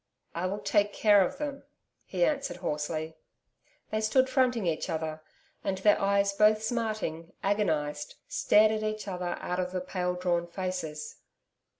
'I will take care of them,' he answered hoarsely. They stood fronting each other, and their eyes both smarting, agonised, stared at each other out of the pale drawn faces.